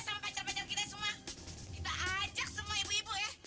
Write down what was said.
sama pacar pelajar kita semua kita ajak semua ibu ibu ya